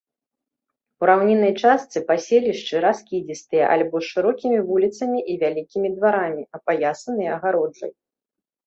У раўніннай частцы паселішчы раскідзістыя альбо з шырокімі вуліцамі і вялікімі дварамі, апаясаныя агароджай.